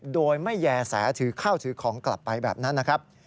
โดยไม่แย่แสถือข้าวถือของกลับไปแบบนั้นนะครับ